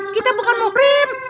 kita bukan muhrim